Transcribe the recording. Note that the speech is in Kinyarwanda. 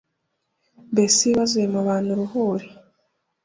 mbese ibibazo bimubana uruhuri